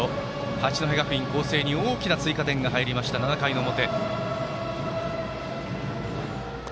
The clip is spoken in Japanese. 八戸学院光星に大きな追加点が入った７回表。